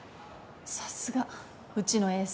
さすがうちのエース。